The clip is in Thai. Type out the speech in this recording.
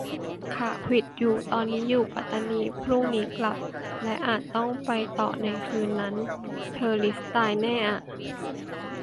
ขาขวิดอยู่ ตอนนี้อยู่ปัตตานี พรุ่งนี้กลับ และอาจต้องไปต่อในคืนนั้น เธสิสตายแน่อ่ะ